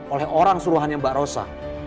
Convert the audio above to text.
oleh orang suruhannya mbak rosa